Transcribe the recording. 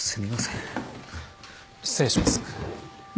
失礼します。